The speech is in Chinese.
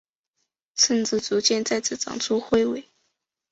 甚至逐渐再次长出彗尾。